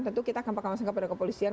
tentu kita akan pengawasan kepada kepolisian